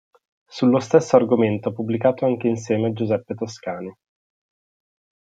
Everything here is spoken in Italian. Sullo stesso argomento ha pubblicato anche insieme a Giuseppe Toscani.